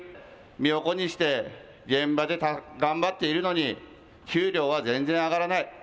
身を粉にして現場で頑張っているのに給料は全然上がらない。